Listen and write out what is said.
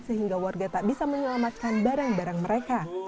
sehingga warga tak bisa menyelamatkan barang barang mereka